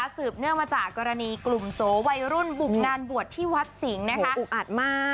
เนื่องมาจากกรณีกลุ่มโจวัยรุ่นบุกงานบวชที่วัดสิงห์อุกอัดมาก